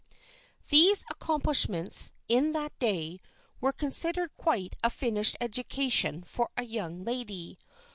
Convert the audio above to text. These accomplishments, in that day, were considered quite a finished education for a young lady.